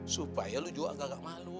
supaya lu juga gak malu